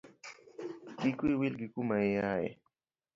Kik wiyi wil gi kuma iaye.